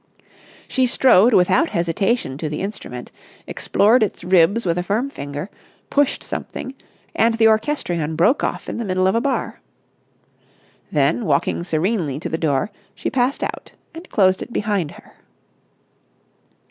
She strode without hesitation to the instrument, explored its ribs with a firm finger, pushed something, and the orchestrion broke off in the middle of a bar. Then, walking serenely to the door, she passed out and closed it behind her.